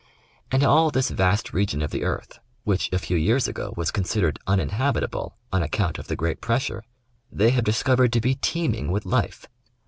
And all this vast region of the earth, which, a few years ago, was con sidered uninhabitable on account of the great pressure, they have discovered to be teeming with life.